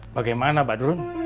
bagaimana pak durun